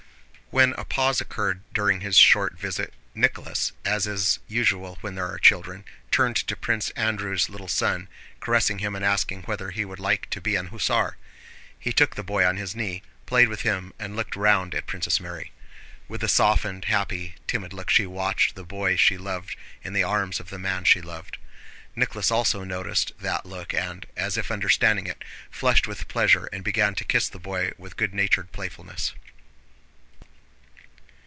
When a pause occurred during his short visit, Nicholas, as is usual when there are children, turned to Prince Andrew's little son, caressing him and asking whether he would like to be an hussar. He took the boy on his knee, played with him, and looked round at Princess Mary. With a softened, happy, timid look she watched the boy she loved in the arms of the man she loved. Nicholas also noticed that look and, as if understanding it, flushed with pleasure and began to kiss the boy with good natured playfulness.